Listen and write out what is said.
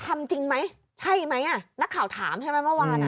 จริงไหมใช่ไหมนักข่าวถามใช่ไหมเมื่อวานอ่ะ